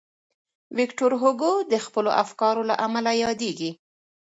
ویکټور هوګو د خپلو افکارو له امله یادېږي.